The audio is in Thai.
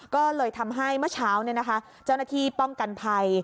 ก็เลยทำให้เมื่อเช้าเจ้าหน้าที่ป้องกันภัย